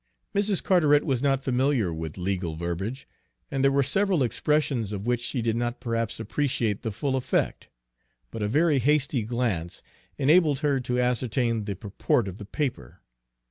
Mrs. Carteret was not familiar with legal verbiage, and there were several expressions of which she did not perhaps appreciate the full effect; but a very hasty glance enabled her to ascertain the purport of the paper.